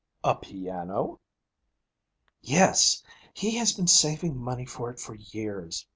'A piano?' 'Yes. He has been saving money for it for years.